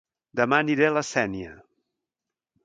Dema aniré a La Sénia